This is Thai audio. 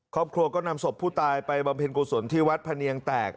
ครอบครัวก็นำศพผู้ตายไปบำเพ็ญกุศลที่วัดพะเนียงแตก